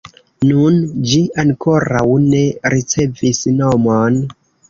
Nun, ĝi ankoraŭ ne ricevis nomon.